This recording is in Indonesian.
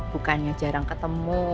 bukannya jarang ketemu